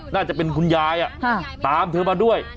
น่าจะเป็นคุณยายตามเธอมาด้วย